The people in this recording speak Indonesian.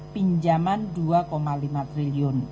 pinjaman rp dua lima triliun